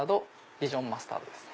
ディジョンマスタードですね。